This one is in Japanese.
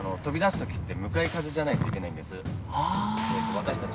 私たち